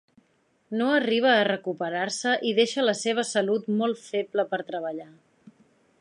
No arriba a recuperar-se i deixa la seva salut molt feble per treballar.